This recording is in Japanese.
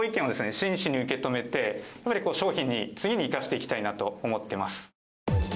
真摯に受け止めて商品に次に生かしていきたいなと思ってます。